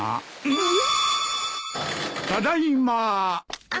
うん。